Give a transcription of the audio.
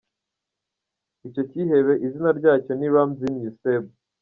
Icyo cyihebe izina ryacyo ni Ramsin Yuseb.